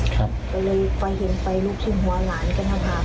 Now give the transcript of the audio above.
ก็เลยไฟเห็นไฟลุกช่วงหัวหลานกับหน้าผาก